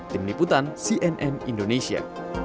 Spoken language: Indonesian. tim liputan cnn indonesia